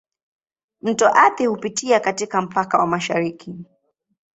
Mto Athi hupitia katika mpaka wa mashariki.